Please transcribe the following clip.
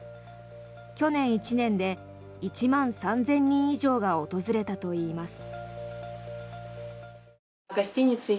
去年１年で１万３０００人以上が訪れたといいます。